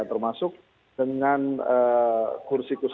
termasuk dengan kursi kursi